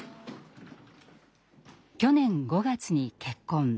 去年５月に結婚。